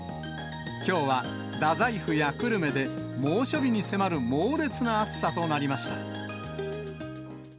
きょうは大宰府や久留米で、猛暑日に迫る猛烈な暑さとなりました。